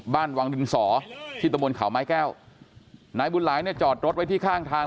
บ้านวังดินสอที่ตะบนเขาไม้แก้วนายบุญหลายเนี่ยจอดรถไว้ที่ข้างทาง